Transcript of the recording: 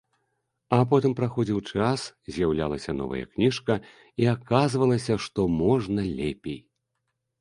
А потым праходзіў час, з'яўлялася новая кніжка, і аказвалася, што можна лепей.